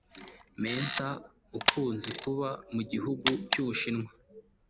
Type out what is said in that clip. Mentor ukunze kuba mu gihugu cy’u Bushinwa